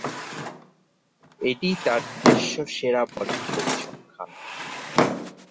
এটিই তার নিজস্ব সেরা বোলিং পরিসংখ্যান।